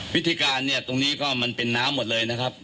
วิธีการเนี่ยตรงนี้ก็มันเป็นน้ำหมดเลยนะครับ